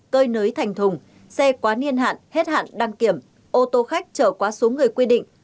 cơi nới thành thùng xe quá niên hạn hết hạn đăng kiểm ô tô khách trở quá số người quy định